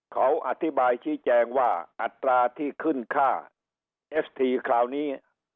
เขาอธิบายชี้แจงว่าอัตราที่ขึ้นค่าเอสทีคราวนี้